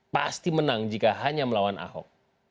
pasti menang jika hanya melawan ahok